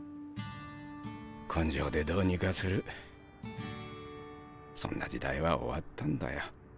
根性でどうにかするそんな時代は終わったんだよ。